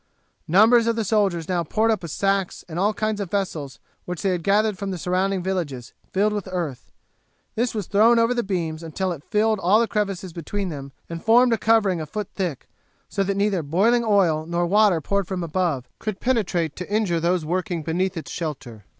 Numbers of the soldiers now poured up with sacks and all kinds of vessels which they had gathered from the surrounding villages, filled with earth. This was thrown over the beams until it filled all the crevices between them and formed a covering a foot thick, so that neither boiling oil nor water poured from above could penetrate to injure those working beneath its shelter.